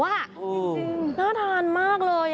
จริงน่าทานมากเลย